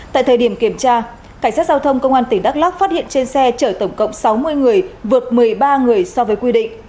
tại thời điểm kiểm tra cảnh sát giao thông công an tỉnh đắk lắc phát hiện trên xe chở tổng cộng sáu mươi người vượt một mươi ba người so với quy định